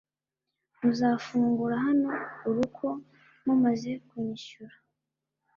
Muzafungura hano uruko mumaze kunyishyura